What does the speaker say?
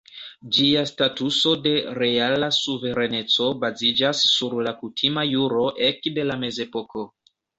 Ĝia statuso de reala suvereneco baziĝas sur la kutima juro ekde la Mezepoko.